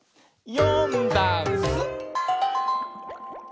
「よんだんす」